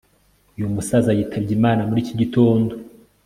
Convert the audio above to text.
uyu musaza yitabye imana muri iki gitondo